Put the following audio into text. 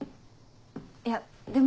いやでも。